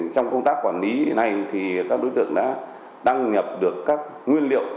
trong công tác quản lý này thì các đối tượng đã đăng nhập được các nguyên liệu